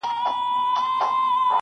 یو ناڅاپه یې ور پام سو کښتی وان ته-